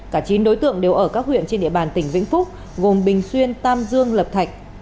cả chín đối tượng đều ở các huyện trên địa bàn tỉnh vĩnh phúc gồm bình xuyên tam dương lập thạch